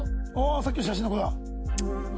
さっきの写真の子だ。